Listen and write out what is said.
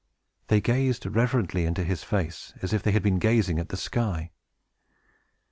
They gazed reverently into his face, as if they had been gazing at the sky.